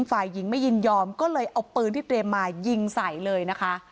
ฝ่ายหญิงไม่ยินยอมก็เลยเอาปืนที่เตรียมมายิงใส่เลยนะคะ